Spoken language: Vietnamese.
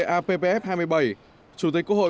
appf hai mươi bảy chủ tịch quốc hội